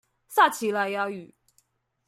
撒奇萊雅語